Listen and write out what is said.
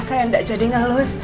saya enggak jadi ngelus